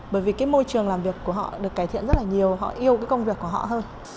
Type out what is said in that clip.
bởi vì cái môi trường làm việc của họ được cải thiện rất là nhiều họ yêu cái công việc của họ hơn